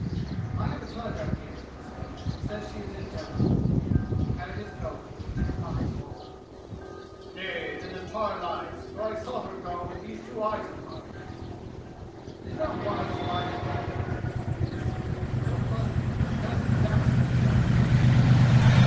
"I have a telegram here," he said, "that says she is in Delhi!" He patted his coat, where the inner pocket bulged. "Nay, then the tar lies, for I saw her go with these two eyes of mine!" "It is not wise to lie to me, my friend," King assured him, so pleasantly that none could doubt he was telling truth.